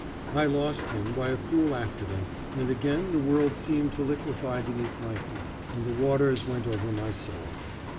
I lost him by a cruel accident, and again the world seem to liquefy beneath my feet, and the waters went over my soul.